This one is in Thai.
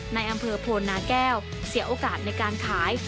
ในอำเภอโพนาแก้วเสียโอกาสในการขาย